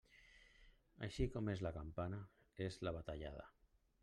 Així com és la campana, és la batallada.